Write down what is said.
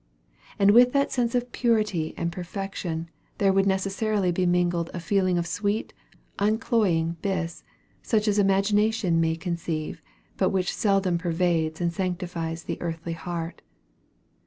And with that sense of purity and perfection, there would necessarily be mingled a feeling of sweet uncloying bliss such as imagination may conceive, but which seldom pervades and sanctifies the earthly heart.